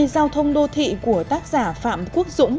giao thông đô thị của tác giả phạm quốc dũng